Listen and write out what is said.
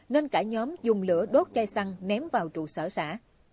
nên cả nhóm dùng lửa đốt chai xăng ném vào trụ sở xã